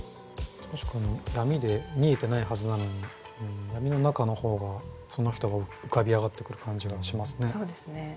確かに闇で見えてないはずなのに闇の中の方がその人が浮かび上がってくる感じがしますね。